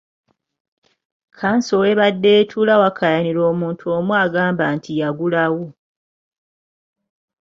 Kkanso w'ebadde etuula wakayanirwa omuntu omu agamba nti yagulawo.